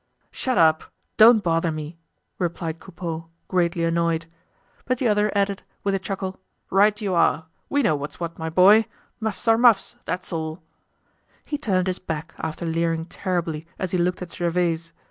"Shut up! Don't bother me!" replied Coupeau, greatly annoyed. But the other added, with a chuckle, "Right you are! We know what's what, my boy. Muffs are muffs, that's all!" He turned his back after leering terribly as he looked at Gervaise.